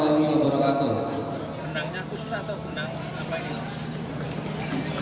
penangnya khusus atau penang